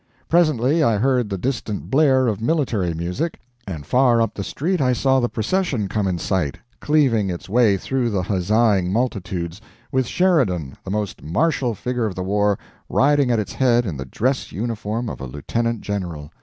Presently I heard the distant blare of military music, and far up the street I saw the procession come in sight, cleaving its way through the huzzaing multitudes, with Sheridan, the most martial figure of the War, riding at its head in the dress uniform of a Lieutenant General.